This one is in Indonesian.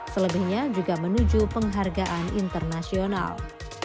selebihnya juga menuju penghargaan internasional